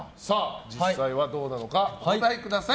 実際はどうなのかお答えください。